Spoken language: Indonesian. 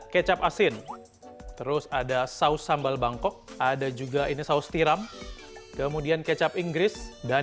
kecap asin terus ada saus sambal bangkok ada juga ini saus tiram kemudian kecap inggris dan